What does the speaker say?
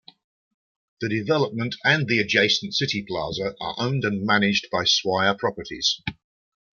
The development and the adjacent Cityplaza are owned and managed by Swire Properties.